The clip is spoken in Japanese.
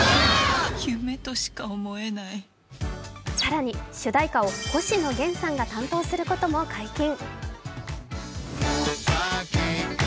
更に主題歌を星野源さんが担当することも解禁。